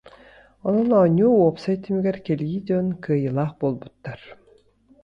Онон оонньуу уопсай түмүгэр кэлии дьон кыайыылаах буолбуттар